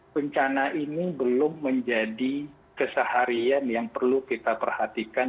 bencana ini belum menjadi keseharian yang perlu kita perhatikan